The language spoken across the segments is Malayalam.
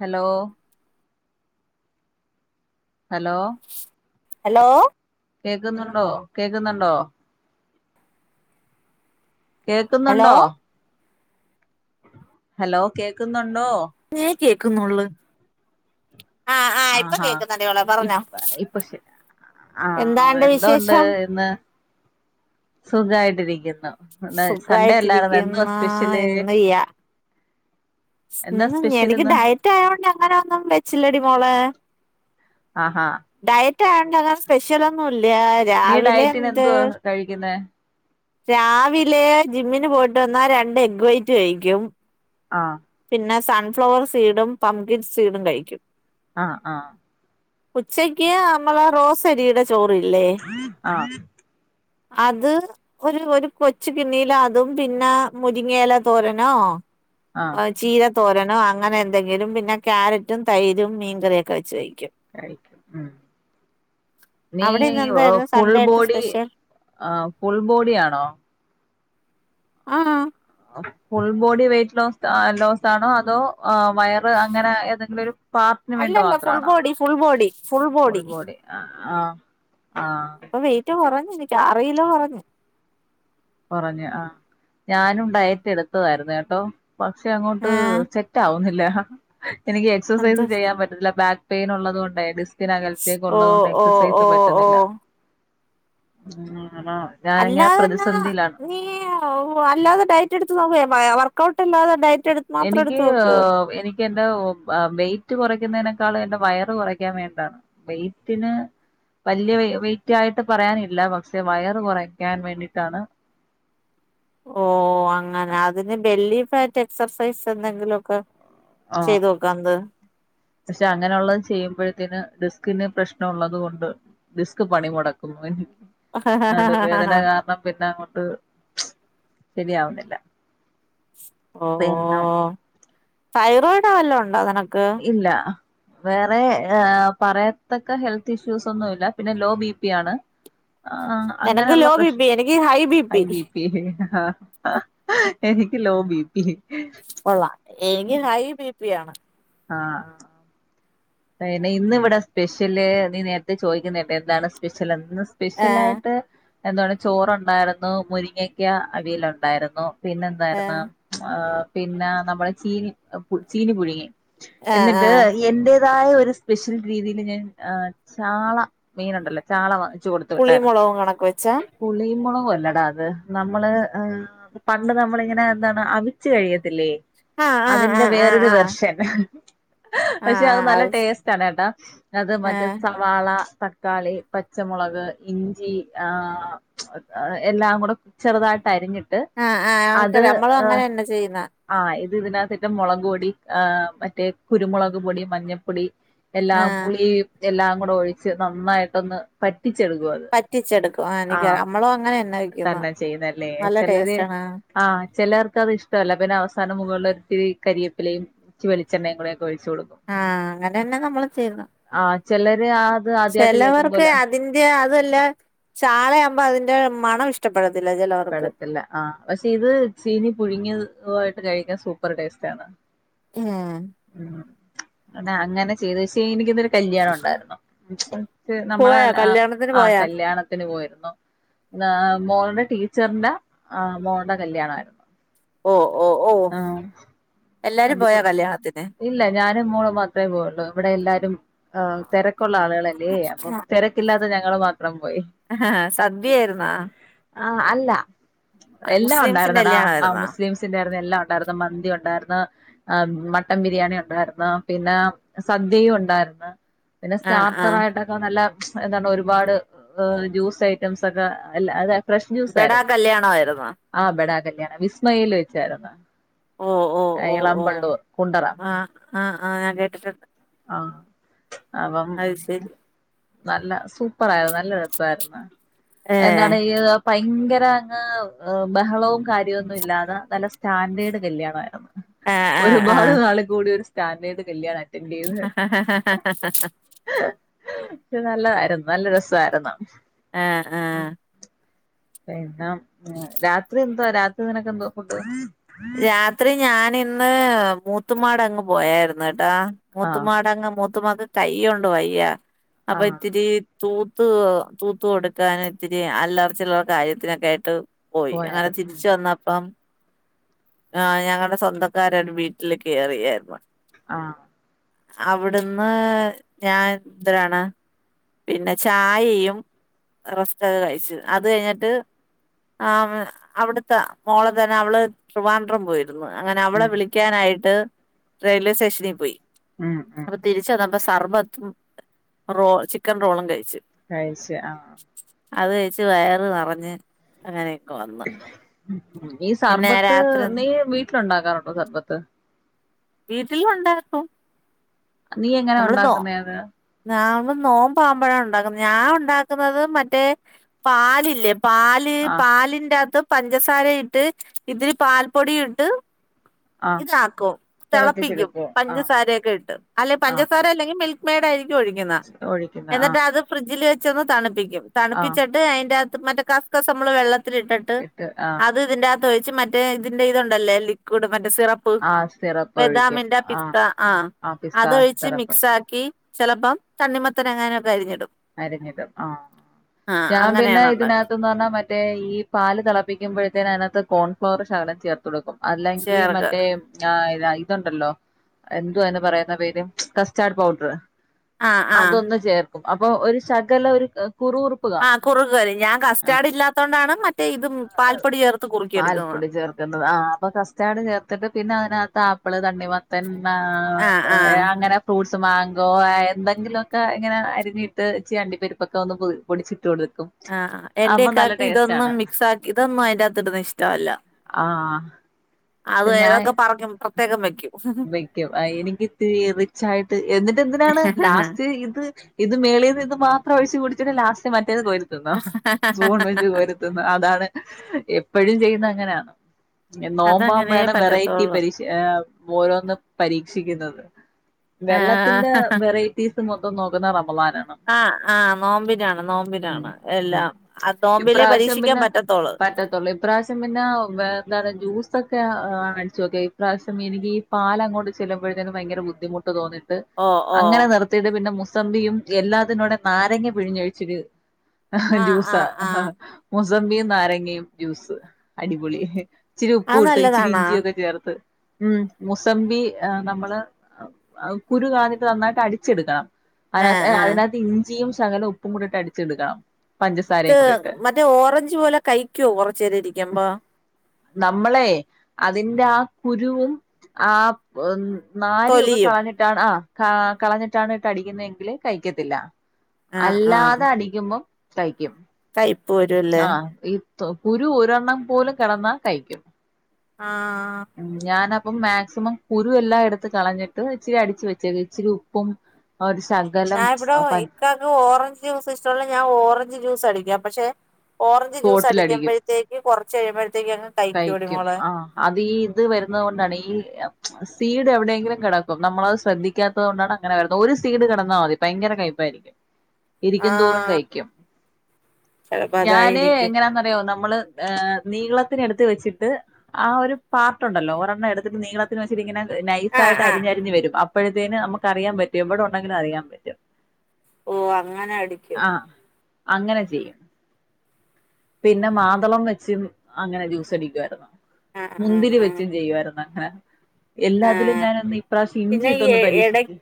ഹലോ ഹലോ ഹലോ കേക്കുന്നുണ്ടോ, കേക്കുന്നുണ്ടോ ഹലോ കേക്കുന്നുണ്ടോ ഹലോ കേക്കുന്നു ണ്ടോ കേക്കുന്നുള്ളൂ ആഹാ ഇപ്പ ഇപ്പ ആഹ എന്താണ്ട് എന്തൊണ്ട് വിശേഷം ഇന്ന് സുഖായിട്ടിരിക്കുന്നു ഇന്ന് സൺഡേ അല്ലായിരുന്നോ എന്തുവാ സുഖായിട്ടിരിക്കുന്നു, സ്പെഷ്യല് ഇന്ന് യ്യ ഉ എന്താ സ്പെഷ്യൽ എനിക്ക് ഇന്ന് ഡയറ്റ് ആയതോണ്ട് അങ്ങനെ ഒന്നും വെച്ചില്ലടി മോളെ ആഹഹ യറ്റായതോണ്ടോ സ്പെഷ്യ ല്ല, നീ രാവിലെ ഡയറ്റിന് എന്ത് എന്തുവാ കഴിക്കുന്നേ രാവിലെ ജിമ്മിന് പോയിട്ട് വന്നാ രണ്ട് എഗ് വൈറ്റ് കഴിക്കും. ആഹ പിന്നെ സൺഫ്ലവർ, സീഡും പംഗിൻ സീഡും കഴിക്കും ആ ആ ഉച്ചക്ക്യ മ്മളെ റോസരി ടെ, ആഹ അത് ഒരു ഒരു കൊച്ച കിണ്ണിയില അതും, പിന്നെ മുരിങ്ങല തോരനോ, ആഹ് വ ചീര തോരനോ അങ്ങനെ എന്തെങ്കിലും, പിന്നെ ക്യാരറ്റും തൈരും മീൻകറിയൊക്കെ വെച്ച് കയ്ക്കും. കഴിക്കും. നീ അവിടെ ഇന്ന് എന്തായിരുന്നു ഫുൾ സൺഡേ ആയിട്ട് ബോഡി, സ്പെഷ്യൽ ആ ഫുൾ ബോഡിയാണോ ആഹ ഫുൾ ബോഡി വെയിറ്റ് ലോസ് ആണോ, അതോ, ആ വയറ് അങ്ങനെ ഏതെങ്കിലും ഒരു പാർട്ടിന് വേണ്ടി അല്ലല്ല ഫുൾ മാത്രണോ, body full body full body. ആ ആഹ പ്പൊ വെയിറ്റ് കുറഞ്ഞുനിക്ക്, ആറ് കിലോ കുറഞ്ഞു. കുറഞ്ഞു ആ, ഞാനും ഡയറ്റ് എടുത്തതായിരുന്നു കേട്ടോ, പക്ഷെ അങ്ങോട്ട് ഏഹ് സെറ്റ് ആവുന്നില്ല. ആഹ എനിക്ക് എക്സസൈസ് എന്ത് ചെയ്യാൻ പറ്റുന്നില്ല ബാക്ക് പെയിൻ ഉള്ളത് കൊണ്ടേ, ത്തികലത്തേക്ക് ഓ ഉള്ളത് കൊണ്ട് ഓ എക്സസൈസ് ഓ ഓ പറ്റുന്നില്ല ഉം ആ ഞാനങ്ങന പ്ര അല്ലാതന്നാ നീ അല്ലാതെ ഡയറ്റ് എടുത്ത് നോക്ക അവർ ക്കോട്ടാണ്ട എനിക്ക് എനിക്ക് എന്റെ വെറ്റ് കുറയ്ക്കുന്നതിനക്കെ എന്റെ വയറ് കുറക്കാൻ വേണ്ടിാണ് വെ്റ്റിന് വലിയ വെറ്റ് ആയിട്ട് പറയാനില്ല പക്ഷെ വയറ് കുറയ്ക്കാൻ വേണ്ടിട്ടാണ് ഓ അങ്ങനെ അതിന് വെള്ളി ഫാറ്റ് എക്സർസൈസ് എന്തെങ്കിലുംൊക്കെ ആ പക്ഷെ അങ്ങനെയുള്ളത ചെയ്യുമ്പോഴത്തേന് ക്കിന് പ്രശ്നം ഉള്ളത് കൊൊണ്ട് ഡറിസ്ക് പണിമടക്കുന്നു നടുവേദന കാരണം പിന്നെ അങ്ങോട്ട് ശരിയാവുന്നില്ല ഓ പിന്നെ തൈറോയിഡ് ആല്ലോ ഉണ്ടോ അതിനൊക്കെ ഇല്ല വേറെ പറയത്തക്ക ഹെൽത്ത് ഇഷ്യൂസ് ഒന്നുംല്ല പിന്നെ ലോ ബിപ ആണ് ആ നിനക്ക് അങ്ങനെയുള്ള ലോ ബി പ്രശ് പി എനിക്ക് high P B P low ബീപ പി കൊള്ളാട്ട എനി ഹൈ ബി പി ആണ് ആഹ പിന്നെ ഇന്ന ഇവിടെ സ്പെഷ്യല് നീ നേരത്തെ ചോദിക്കുന്നല്ലെ എന്താണ് സ്പെഷ്യൽന്ന് ന്ന് സ്പെഷ്യല ആഹ് ആായിട്ട് എന്താണ് ചോറുണ്ടായിരുന്നു മുരിങ്ങക്ക അവിയയിലുണ്ടായിരുന്നു പിന്നെ എന്തായിുന്ന ആഹ് പിന്നെ നമ്മള ചീനി ചീനി പുഴുങ്ങി ആഹ് എന്നിട്ട് ആഹ് എന്റെ അതായ ഒരു സ്പെഷ്യൽ രീതിയിൽ ഞാൻ ചാള മീന ഉണ്ടല്ലോ ചാള പുളിമുളകും കണക്ക് വെച്ചാ ട്ടള ല്ലടാ അത് നമ്മള് പണ്ട് നമ്മളിങ്ങനെ എന്താണ് അവിിച്ചു കഴിയത്തില്ലേ ആഹ് ആഹ് അതിന്റെ ആഹ് വേറൊരു ആഹ് വെർഷൻ ആഹ് പ അത് ആഹ് നല്ല ടേസ്റ്റ് ആണ് കേട്ടാ അത് ആഹ് മറ്റ സവാള തക്കാളി പച്ചമുളക് ഇഞ്ചി എല്ലാം കൂടെ ചെറുതായിട്ട് തെരഞ്ഞിട്ട് ആഹ് ആഹ് ആഹ് അത് എനിക്കറിയാം നമ്മളും ഇ് അങ്ങനെ തന്നെ ചെയ്യുന്ന ആ തിതിനകതിട്ട് മൊളക് പൊടി ആ മറ്റേ കുരുമൊളക് പൊടിം മഞ്ഞപ്പൊടി എല്ലാം ആഹ് പുളീ എല്ലാം കുടെ ഒഴിച്ച് നന്നായിട്ടൊന്ന് പറ്റ് പറ്റിച്ചെടുക്കും ആ എനിക്ക് അമ്മളും അങ്ങനെ തന്നെ ചെയ്യുന്നല്ലേ നല്ല ചെലര് ടേസ്റ്റ് ആണ് ആ ചെലർക്ക് അത് ഇഷ്ട്വല്ല പിന്നെ അവസാനം മുകളിലൊത്തിരി കരിയപ്പിലയും ച്ചി വെളിച്ചെണ്ണയും കുടെ ആ അങ്ങനെന്നെ നമ്മൾ ചെയ്ന്നെ ആഹ് ചിലര് അത് ആദ്യമായിട്ട് ചെലവർക്ക് കേൾക്കുമ്പോലെ അതിന്റെ അതല്ല ചാളയാവുമ്പൊ അതിന്റെ മണം ഇഷ്ടപ്പെടു പെടത്തില്ല ആ പക്ഷെ ഇത് ചീനി പുഴുങ്ങിത് ത്വായിട്ട് കഴിക്കാ സു സൂപ്പർ ടേസ്റ്റ് ആണ് ഏ ഉം അത അങ്ങനെ ചെയ്തെ പക്ഷേ എനി [unintelligible] കല്യാണുണ്ടായിരുന്നു നമ്മളെ പോയാ അ കല്യാണത്തിന് ആ പോയാ കല്യാണത്തിന് പോയിരുന്നു ദാമോള്ടെ ടീ ചെർണ്ട ആ മോള്ടെ കല്യാണായിര്ന്നു ഓ ഓ ഓ ആ എല്ലാരും പോയാ അടിപൊളി കല്യാണത്തിന് ഇല്ല ഞാനും മോളും മാത്രേ പോയള്ളൂ ഇവിടെ എല്ലാര് ദം ആ തെരക്കുള്ള ആളുകളല്ലേ അപ്പം തെരക്ക് ഇല്ലാ ദ് ഞങ്ങള് മാ അഹഹ സദ്യായിര്ന്നോ ആ അല്ല എല്ലാം ഉണ്ടായിര്ന്നടാ ആ കല്യാണായിരുന്നാ മുസ്ലിംസിന്റായിര്ന്ന് എല്ലാം ഉണ്ടായിര്ന്ന് മന്തി ഉണ്ടായിര്ന്നു ആ മട്ടൻ ബിരിയാണി ഉണ്ടായിര്ന്ന് പിന്നെ സദ്യയും ഉണ്ടായിര്ന്ന് പിന്നെ ആഹ് ആഹ് സ്റ്റാർട്ടറായിട്ടൊക്കെ നല്ല ഏതാണ്ട് ഒരുപാട് ജ്യൂസ് ഐറ്റംസ് ഒക്കെ അല്ല അതെ ഫ്രഷ് ജ്യൂസ് ബെടാ കല്യാണായിരുന്നോ വിസ്മയേൽ വെച്ചാര്ന്ന് ഓ ഓ ഓ ഓ എളമ്പള്ളൂർ കുണ്ടറ ആഹ് ആഹ് ആഹ് ആ അയ്ശരി നല്ല സൂപ്പർ ആയിര്ന്ന് നല്ല രസായിര്ന്ന് ഏഹ് എന്താണ് ഭയങ്കര ങ്ങ് ബഹളവും കാര്യവും ഒന്നും ഇല്ലാതെ നല്ല സ്റ്റാൻഡേർഡ് കല്യാണമായിരുന്നു ആഹ് ആഹ് ഒരുപാട് നാള് കൂടി ഒരു സ്റ്റാൻഡേർഡ് കല്യാണായിരുന്നു ഹ ഹഹഹ ഇത് നല്ലതായിരുന്നു നല്ല രസായിരുന്നു ആഹ് ആഹ് എന്ന രാത്രി രാത്രി നിനക്കെന്തോ ഫുഡ് രാത്രി ഞാനിന്ന് മൂ മൂത്തുമാട് അങ്ങ് പോയാർന്ന് താ ആഹ് മുത്തുമാടങ്ങ് മു മൂത്തുമ്മാക്ക് കയ്യോണ്ട് വയ്യ ആഹ് അപ്പൊത്തിരി തൂത്ത് തൂത്ത് കൊടുക്കാൻ ഇത്തിരി അല്ലറ ചില്ലറ കാര്യത്തിനൊക്കെ ആയിട്ട് പോയി അങ്ങനെ പോയായിരുന്നു ഉം തിരിച്ച് വന്നപ്പം ആ ഞങ്ങടെ സ്വന്തക്കാരെ ഒരു വീട്ടില് കേറിയായിരുന്നു ആഹ് അവിടുന്ന് ഞാൻ ഇതരാണ് പിന്നെ ചായയും റസ്കൊക്കെ കഴിച്ചു അത് കഴിഞ്ഞിട്ട് ആ അവിടുത്തെ മോളെ തന്നെ അവള് ട്രിവാൻഡ്രം പോയിരുന്നു അങ്ങനെ അവളെ ഉം വിളിക്കാനായിട്ട് റെയിൽവേ സ്റ്റേഷനിൽ പോയി ഉം ഉം അപ്പൊ തിരിച്ചതോ? സർബത്ത് റോ ചി ക്കൻ റോളും കഴി കഴിച്ച ആഹ് അത് കഴിച്ചു വയറ് നിറഞ്ഞ് അങ്ങനെ ഒക്കെ വന്ന് ഉം ഈ പിന്നെ സർബത്ത് രാത്രി ഒന്ന് നി വീ ഉണ്ടാക്കാറുണ്ടോ സർബത്ത് വീട്ടിലും ഉണ്ടാക്കും നീ എങ്ങനെ ഉണ്ടാക്കുന്നേ അത്? നമ്മ നോമ്പ് ആവുമ്പോഴാണ് ഉണ്ടാക്കുന്നത് ഞാൻ ഉണ്ടാക്കുന്നത് മറ്റേ പാലില്ലേ പാല് ആഹ് പാലിന്റെ അതും പഞ്ചസാര ഇട്ട് ഇത്തിരി പാൽപ്പൊടിമ് ഇട്ട് ആ ഇതാക്കും തിളപ്പിക്കും തിളപ്പിച്ചെടുക്കുവോ ആഹ് പഞ്ചസാരയൊക്കെ ഇട്ട് അല്ല പഞ്ചസാര അല്ലെങ്കിൽ മിൽക്ക് മെയ്ഡ് ആയിരിക്കും ഒഴിക്കുന്നത് ആഹ് ഒഴിക്കുന്ന എന്നിട്ട് ആഹ് അത് ഫ്രിഡ്ജിൽ വെച്ച് വെച്ചോന്ന് തണുപ്പിക്കും ആഹ് തണുപ്പിച്ചിട്ട് അയിന്റെ മറ്റേ കസ്കസ് നമ്മള് വെള്ളത് ത്തിൽ ഇട്ടിട്ട് ഇട്ട് ആഹ് അത് ഇതിന്റാത്ത് തോയിച്ച് മറ്റെ ഇതിന്റെ ഇതുണ്ടല്ലോ ലിക്വിഡ് മറ്റെ സിറപ്പ് ആഹ് സിറപ്പ് ഒഴിക്കും ബദാമിന്റെ ആഹ് പിസ്ത ആ ആഹ് പിസ്ത അതൊഴിച് സിറപ്പ് മിക്സ് ആക്കി ചെലപ്പം തണ്ണിമത്തൻ അങ്ങനെയൊകെ അരിഞ്ഞിടും അരിഞ്ഞിടും ആ ആ ഞാൻ പിന്നെ അങ്ങനെയാണ് ഉണ്ടാക്കുക ഇതിനകത്തന്ന് പറഞ്ഞാ മറ്റേ ഈ പാല് തിളപ്പിക്കുമ്പോഴത്തേന് അതിനകത്ത് കോൺഫ്ലാവോർ ശകലം ചേർത്ത് കൊടുകാം അല്ലെങ്കി ചേർക്ക് മറ്റേ ഇത ഇതുണ്ടല്ലോ എന്ത്വ അയിന് പറയുന്ന പേര് കസ്റ്റാർഡ് പൗഡറ് ആ ആ അതൊന്ന് ചേർക്കും അപ്പൊ ഒരു ശകല ഒരു കുറുകുറുപ്പ് കാണും ആഹ്‌ കുറക് വരോം ഞാൻ ആഹ് കറ്റാഡ് ഇല്ലാത്തോൊണ്ടാണ് മറ്റ പാൽപ്പൊടി ചേർക്കേണ്ടത് ആ അപ്പൊ കസ്റ്റാട് ചേർത്തിട്ട് പിന്നെ അതിനാത്ത ആപ്പിൾ തണ്ണിമത്തൻ ആ ആ ആ അങ്ങനെ ഫ്രൂട്ട്സ് മാങ്കോ എന്തെങ്കിലുമൊക്കെ ഇങ്ങനെ അരിഞ്ഞിട്ട് ഇച് അണ്ടി പെരിപ്പൊക്കെ ഒന്ന് പൊടിച്ചിട്ട് കൊടുത്ത് ആഹ് എന്റെക്കാക്ക് ഇതൊന്നും മിക്സ് ആക്കി അതൊന്നും അതിന്റെത്തിടുന്നെ ഇഷ്ടമല്ല ആ അത് ഏതൊക്കെ പറക്കും പാർ പ്രേത്യേകം വെയ്ക്കും വക്കും എനിക്ക് ഇത്തിരി റിച്ച് ആയിട്ട് എന്നിട്ട് എന്തിനാണ് ലാസ്റ്റ് ഇത് ഇത് മേളിന്ന് ഇത് മാത്രം ഒഴിച്ചു കുടിചിട്ട് ലാസ്റ്റ് മറ്റെ കോരീത്തിനോ സ്പൂൺ വെച്ച് കോരീ തിന്നോ അതാണ് എപ്പോഴും ചെയ്യുന്നത് അങ്ങനാ അതങ്ങനെ നോമ്പാമ്പഴാണ് വെറൈറ്റി പറ്റത്തുള്ളൂ പാരിഷ് ഓരോന്നും പരീക്ഷിക്കുന്നത് ആഹ് വെള്ളത്തിന്റെ വെറൈറ്റീസ്. മൊത്തം നോൽക്കുന്നെ റമളാൻ ആ ആ നോമ്പിനാണ് ഉം നോമ്പിനാണ് ഉം എല്ലാം അത് നോമ്പിലേ ഇപ്രാവശ്യം പരീക്ഷിക്കാൻ പിന്നെ പറ്റത്തോുള്ളൂ പറ്റത്തുള്ളൂ കാണിച്ചുക്കെ ഇഈ പ്രാവശ്യം എനിക്ക് ഈ പാല അങ്ങോട്ട് ചെല്ലുമ്പഴേതെക്കും ഭയങ്കര ബുദ്ധിമുട്ട് തോന്നി ഓ ഓ അങ്ങനെ നിർത്തിയിട്ട് പിന്നെ- സമ്പിയും എല്ലാത്തിന്റെകൂടെ നാരങ്ങ പിഴിഞ്ഞഴിഞാ - ആഹാ ആഹ് ജ്യൂസോ ആഹ് ഹ ആഹ് ഹാ മുസമ്പിയും നാരങ്ങയും ജ്യൂസ് അടിപൊളി ഇച്ചിരി ഉപ്പും അത് ഇട്ട് ഇച്ചിരി നല്ലതാണാ ഇഞ്ചിയൊക്കെ ചേർത്ത് ഉം മുസമ്പി നമ്മള് കുരു കളഞ്ഞിട്ട് നന്നായിട്ട് അടിച്ചെടുക്കണം ആഹ് അതിനകത്ത് ആഹ് അതിനകത്ത് ഇഞ്ചിയും ശകലം ഉപ്പും കൂടിയിട്ട് അടിച്ചെടുക്കാ മറ്റേ ഓറഞ്ച് പോലെ കഴിക്കുവോ കുറച്ചനേരം ഇരിക്കുമ്പോ നമ്മളെ അതിന്റെ ആ കുരുവും ആ നാരു ഒക്കെ തൊലിയും കാണഞ്ഞിട്ടാണ് ആ കളഞ്ഞിട്ടാണ് ഇട്ട് അടിക്കുന്നതങ്കില് കഴിക്കത്തില്ല ആഹ് ആഹ് അല്ലാതെ അടിക്കുമ്പം തൈ കയ്പ്പ് വരുംല്ലേ കുരു ഒരെണ്ണം പോലും കിടന്നാ കഴിക്കും ആഹ അപ്പം മാക്സിമം കുരു എല്ലാം എടുത്ത് കളഞ്ഞിട്ട് ഇച്ചിരി അടിച്ച് വെച്ചേത് ഇച്ചിരി ഉപ്പും- ശകലം ഞാൻ ഇവിടോ ഇക്കക്ക് ഓറഞ്ച് ജ്യൂസി ഷ്ടമല്ല ഞാൻ ഓറഞ്ച് ജ്യൂസ് അടിക്ക- അ പക്ഷെ ഓറഞ്ച് ജൂസ് തോട്ടിലടിക്കും അടിക്കുമ്പഴത്തേക്ക് കുറച്ച്ഴുമ്പോഴ- കഴിക്കും ആ അത് ഈ ഇത് വരുന്നത് കൊണ്ടാണ് ഈ സീഡ് എവിടെയെങ്കിലും കിടക്കും നമ്മളത് ശ്രദ്ധിക്കാത്തത് കൊണ്ടാണ് അങ്ങനെ വരുന്നത് ഒരു സീഡ് കിടന്നാൽ മതി ഭയങ്കര കയ്പ്പായിയിരിക്കും. ഇരിക്കും തോറും ആഹ് കയിക്കും ചെലപ്പോ ഞാന് അതായിരിക്കും എങ്ങനാന്ന്റിയോ നമ്മള് ഏ നീളത്തി - എടുത്ത് വെച്ചിട്ട് ആ ഒരു പാർട്ടുണ്ടല്ലോ ഒരെണ്ണം എടുത്തിട്ട് നീളത്തിന് വെച്ചിട്ട ഇങ്ങനെ- നൈസ് ആ ആയിട്ട് ആ അരിഞ്ഞ് അരിഞ്ഞ് വരും അ ഇപ്പോഴത്തേനും നമ്മുക്ക് അറിയാൻ പറ്റും എവിടെ ഉണ്ടെങ്കിലും അറിയാൻ പറ്റും ഓ അങ്ങനെ അടിക്കും ആഹ് അങ്ങനെ ചെയ്യണം പിന്നെ മാതളം വെച്ചും അങ്ങനെ ജ്യൂസ്‌ അടിക്കുവാരുന്നു ആ മുന്തിരി വെച്ചും ചെയ്യുവായിരുന്നു [unintelligible] ആഅ ഞാനൊന്ന് ഇപ്രാവശ്യം ഇഞ്ചി പിന്നെ ഈ ഇട്ടൊന്ന് എ എ പരീക്ഷിച്ച് എടക്ക്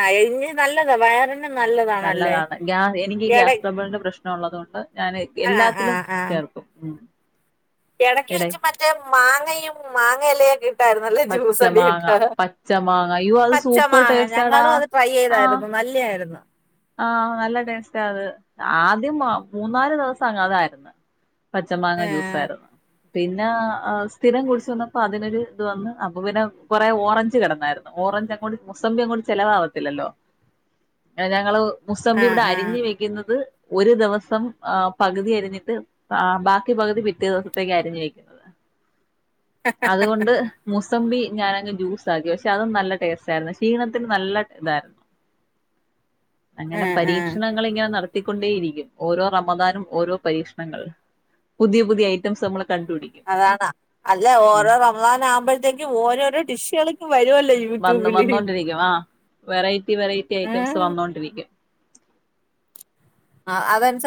ആ എ ഈ നല്ലതാ വയറിൻ ഒ നല്ലതാണ് ഗ്യാ എനിക്ക് ഈ ഗ്യാസ് ട്രബിളിന്റെ പ്രശ് നം ഒള്ളതുകൊണ്ട്- ഞാൻ ആ എല്ലാത്തിലും ചേർക്കും മ് എടക്കി വെച്ച് മറ്റേ മാങ്ങയും മാങ്ങ എല്ലയൊക്കെ എ ഷ്ട്ടആയിര്ന്നല്ലേ പച്ചമാങ്ങ ജ്യൂസ്ടിക്ക പച്ചമാങ്ങ അയ്യോ അത് പച്ച സൂപ്പർ മാങ്ങ ടേസ്റ്റാടാ ഞങ്ങളും അത് ട്രൈ ചെയ്തായിരുന്നു നല്ലെയാര്ന്നു- ആഹ നല്ല ടെസ്റ്റേ അത് ആദ്യം അ മൂന്നാല് ദിവസംഅങ്ങ് അതായിര്ന്ന്- പച്ച മാങ്ങ ആ ജ്യൂസായിര്ന്ന്- പിന്നെ അ സ്ഥിരം കുടിച്ച് വന്നപ്പം അതിനൊരു ഇത് വന്ന് അപ്പൊ പിന്നെ കൊറെ ഓറഞ്ച് കെടന്നായിര്ന്നു ഓറഞ്ച് അങ്ങോട്ട് മുസമ്പി അങ്ങോട്ട് ചെലവാവത്തില്ലല്ലോ [unintelligible] [unintelligible] ആ മുസമ്പി ഇവിടെ ആ അരിഞ്ഞു വെക്ക്ന്നത്- ഒരു ദെവസം ആ പകുതി അരിഞ്ഞിട്ട് ആ ബാക്കി പകുതി പിറ്റേ ദെവസത്തേക്ക് അരിഞ്ഞ് വെക്കുന്നത്- അതുകൊണ്ട് മുസ സമ്പി ഞാനങ്ങ് ജ്യൂസ് ആക്കി പക്ഷെ അതും നല്ല ടേസ്റ്റ് ആയിര്ന്നു ക്ഷീണത്തിന് നല്ല ഇതായിര്ന്നു- ആ അങ്ങനെ ആ പരീക്ഷണങ്ങൾ ഇങ്ങനെ നട ത്തികൊണ്ടേ ഇരിക്കും ഓരോ റമദാനും ഓരോ പരീക്ഷണങ്ങൾ പുതിയ പുതിയ ഐറ്റംസ് നമ്മൾ കണ്ടുപിടിക്കും അതണ് അല്ല ഓരോ റമളാൻ ആകുമ്പോഴ്ത്തേക്കും ഓരോരോ ഡിഷള് വന്ന് വന്നോണ്ടിരിക്കും ആ വെറൈറ്റി വെറൈറ്റി ഐറ്റംസ് ഉം. വന്നോണ്ടിരിക്കും. ആ അതനുസ